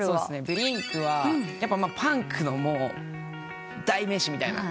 ブリンクはパンクの代名詞みたいな。